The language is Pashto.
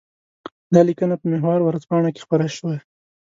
دا لیکنه په محور ورځپاڼه کې خپره شوې.